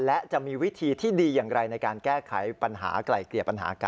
และจะมีวิธีที่ดีอย่างไรในการแก้ไขปัญหาไกลเกลี่ยปัญหากัน